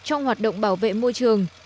trong hoạt động bảo vệ môi trường